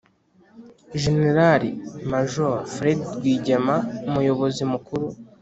jenerali majoro fred rwigema: umuyobozi mukuru